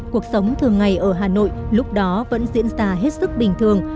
cuộc sống thường ngày ở hà nội lúc đó vẫn diễn ra hết sức bình thường